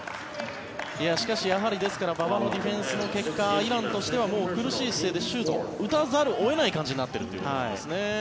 しかし、ですから馬場のディフェンスの結果結果、イランとしては苦しい姿勢でシュートを打たざるを得ない状況になっているんですね。